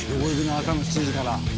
朝の７時から。